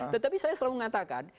tetapi saya selalu mengatakan